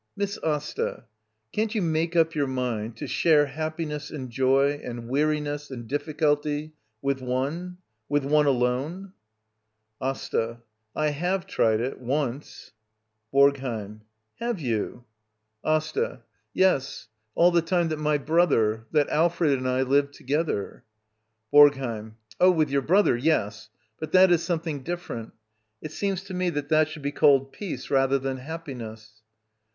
Miss Asta — can't you make up your mind to share happiness and joy — and weari ness and difficulty, with one — with one alone? Asta. I have tried it — once. BoRGHEiM. Have yoii.^ Digitized by VjOOQIC LITTLE EYOLF «» Act iii. ^AsTA. Yes, all the time that my brother — that WUfred and I lived together. BoRGHEiM. Oh, with your brother, yes. But dj^it is something different. It seems to me that that ^ould be called peace rather than happiness.